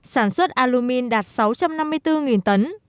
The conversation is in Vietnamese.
sản xuất alumin đạt sáu trăm năm mươi bốn tấn